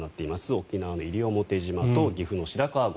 沖縄の西表島と岐阜の白川郷。